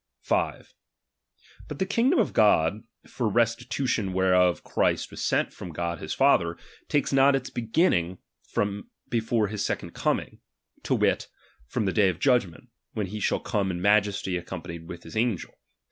5. But the kingdom of God, for restitution Thdi the idog. whereof Christ was sent from God his Father, a™ "wj,.eniii takes not its beginning before his second coming ; ^^^J^ to wit, from the day of judgment, when he shall 'i»J"'J''^a"™* come in majesty accompanied with his angel.